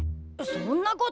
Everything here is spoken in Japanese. そんなこと。